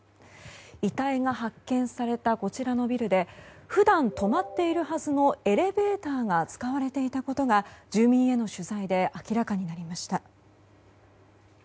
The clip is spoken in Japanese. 遺体が発見されたこちらのビルで普段止まっているはずのエレベーターが使われていたことが、住民への取材で明らかになりました。